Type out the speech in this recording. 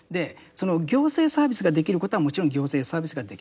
行政サービスができることはもちろん行政サービスができる。